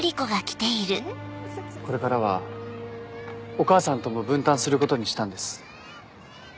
これからはお義母さんとも分担することにしたんです。